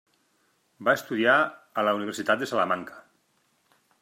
Va estudiar a la Universitat de Salamanca.